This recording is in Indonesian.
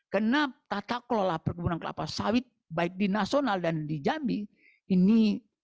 karena tata kelola perkebunan kelapa sawit baik di nasional dan di jambi ini